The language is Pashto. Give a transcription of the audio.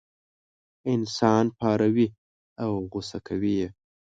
انسان پاروي او غوسه کوي یې.